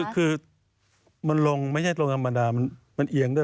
คือมันลงไม่ใช่ลงธรรมดามันเอียงด้วย